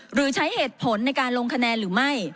หรือใช้เหตุผลในการลงคะแนนหรือไม่